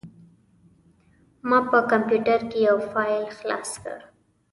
ما په کمپوټر کې یو فایل خلاص کړ.